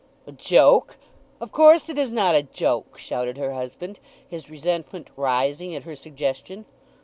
"A joke? Of course it is not a joke!" shouted her husband, his resentment rising at her suggestion.